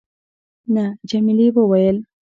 نه. جميلې وويل:.